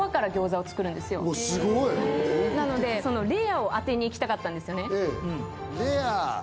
わっすごいなのでそのレアを当てにいきたかったんですよね